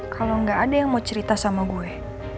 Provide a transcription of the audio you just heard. kalau nggak ada yang mau cerita sama gue